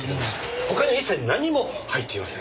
他には一切何も入っていません。